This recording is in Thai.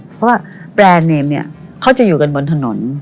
เพราะว่าแบรนด์นีนเป็นอยู่กันบนถนน